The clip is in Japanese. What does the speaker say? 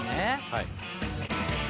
「はい」